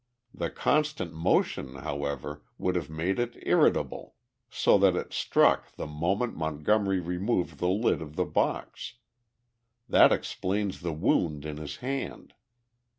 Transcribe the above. The constant motion, however, would have made it irritable so that it struck the moment Montgomery removed the lid of the box. That explains the wound in his hand.